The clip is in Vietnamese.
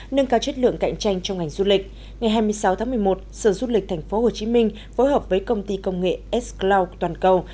nâng cao chất lượng cạnh tranh trong ngành du lịch ngày hai mươi sáu tháng một mươi một sở du lịch tp hcm phối hợp với công ty công nghệ s cloud toàn cầu